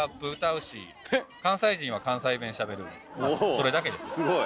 それだけです。